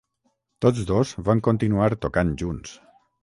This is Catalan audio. Tots dos van continuar tocant junts.